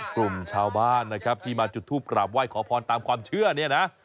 กลุ่มชาวบ้านนะครับที่มาจุดทูปกราบไหว้ขอพรตามความเชื่อเนี่ยนะ